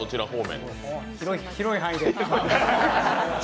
広い範囲で。